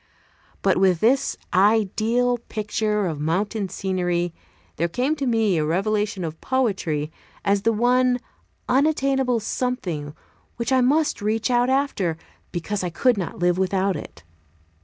But with this ideal picture of mountain scenery there came to me a revelation of poetry as the one unattainable something which I must reach out after, because I could not live without it.